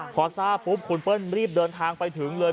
พอทราบปุ๊บคุณเปิ้ลรีบเดินทางไปถึงเลย